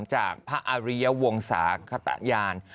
จากพระอริยวงศาขตยาน